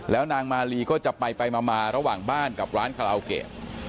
แล้วนางมาลีก็จะไปมาระหว่างบ้านกับร้านคาราโอเกะ